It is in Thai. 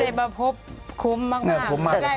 ที่ได้มาพบคุ้มมากมาก